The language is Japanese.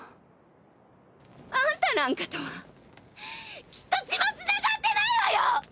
あんたなんかとはきっと血もつながってないわよ！